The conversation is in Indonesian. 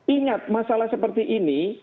ingat masalah seperti ini